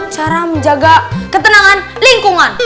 cara menjaga ketenangan lingkungan